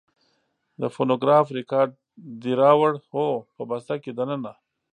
د فونوګراف رېکارډ دې راوړ؟ هو، په بسته کې دننه.